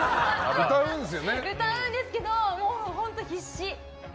歌うんですけど、本当、必死。